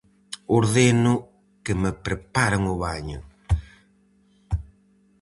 Ordeno que me preparen o baño.